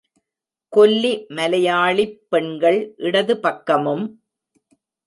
கொல்லி மலையாளிப் பெண்கள் இடது பக்கமும்.